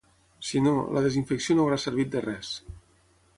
Si no, la desinfecció no haurà servit de res.